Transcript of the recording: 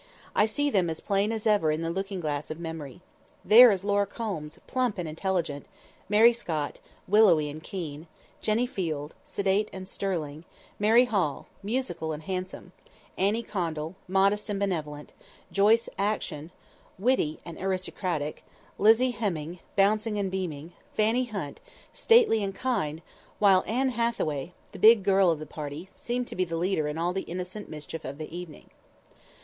I see them as plain as ever in the looking glass of memory. There is Laura Combs, plump and intelligent, Mary Scott, willowy and keen, Jennie Field, sedate and sterling, Mary Hall, musical and handsome, Annie Condell, modest and benevolent, Joyce Acton, witty and aristocratic, Lizzie Heminge, bouncing and beaming, Fannie Hunt, stately and kind, while Anne Hathaway, the big girl of the party, seemed to be the leader in all the innocent mischief of the evening.